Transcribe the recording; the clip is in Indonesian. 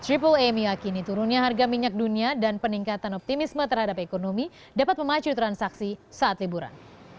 meyakini turunnya harga minyak dunia dan peningkatan optimisme terhadap ekonomi dapat memacu transaksi saat liburan